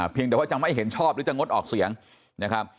แต่ว่าจะไม่เห็นชอบหรือจะงดออกเสียงนะครับ